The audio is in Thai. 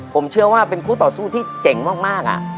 ผมเชื่อว่าเป็นคู่ต่อสู้ที่เจ๋งมาก